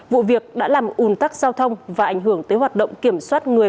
vụ việc đã làm ủn tắc giao thông và ảnh hưởng tới hoạt động kiểm soát người